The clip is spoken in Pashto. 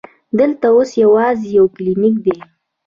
دلته اوس یوازې یو کلینک دی.